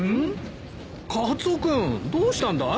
カツオ君どうしたんだい？